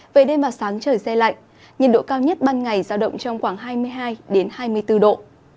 về đêm vào sáng trời dây lạnh nhiệt độ cao nhất ban ngày giao động trong khoảng hai mươi hai đến hai mươi bốn độ